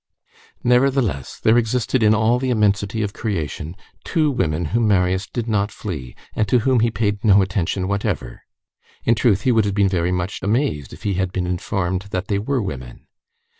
Nevertheless, there existed in all the immensity of creation, two women whom Marius did not flee, and to whom he paid no attention whatever. In truth, he would have been very much amazed if he had been informed that they were women.